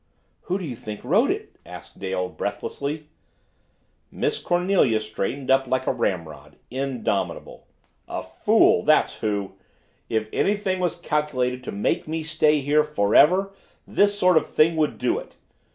"Who do you think wrote it?" asked Dale breathlessly. Miss Cornelia straightened up like a ramrod indomitable. "A fool that's who! If anything was calculated to make me stay here forever, this sort of thing would do it!"